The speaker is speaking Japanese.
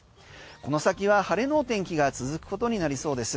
この先は晴れの天気が続くことになりそうです。